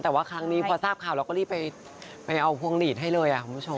แต่ว่าครั้งนี้พอทราบข่าวเราก็รีบไปเอาพวงหลีดให้เลยคุณผู้ชม